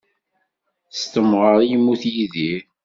S temɣer i yemmut Yidir.